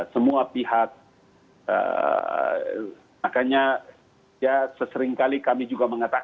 kalau misalnya anda ada orangeh laus siapa juga bisa mengaperce